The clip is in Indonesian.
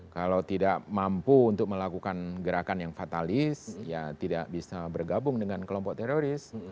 kalau tidak mampu untuk melakukan gerakan yang fatalis ya tidak bisa bergabung dengan kelompok teroris